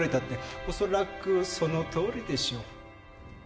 恐らくそのとおりでしょう。